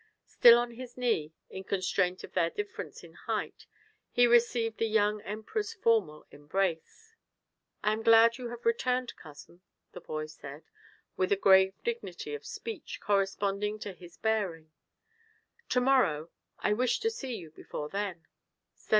Still on his knee, in constraint of their difference in height, he received the young Emperor's formal embrace. "I am glad you have returned, cousin," the boy said, with a grave dignity of speech corresponding to his bearing. "To morrow I wished to see you before then."